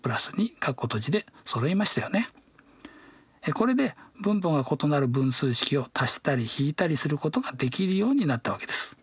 これで分母が異なる分数式をたしたりひいたりすることができるようになったわけです。